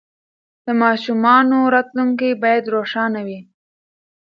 د ماشومانو راتلونکې باید روښانه وي.